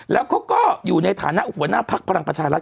แล้วเขาก็อยู่ในฐานะหัวหน้าภักดิ์พลังประชารัฐ